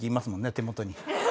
手元に。